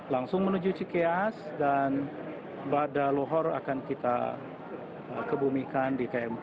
langsung menuju cikeas dan bada lohor akan kita kebumikan di kmp